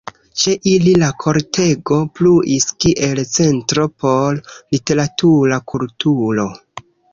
Ĉe ili la kortego pluis kiel centro por literatura kulturo.